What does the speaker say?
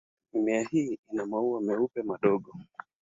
Mimea hii ina maua meupe madogo.